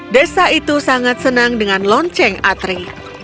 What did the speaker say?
desa itu sangat senang dengan lonceng atri